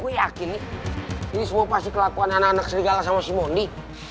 gue yakin nih ini semua pasti kelakuan anak anak serigala sama si bondi